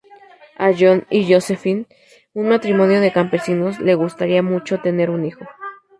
A John y Josephine, un matrimonio de campesinos, les gustaría mucho tener un hijo.